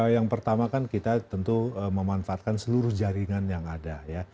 yang pertama kan kita tentu memanfaatkan seluruh jaringan yang ada ya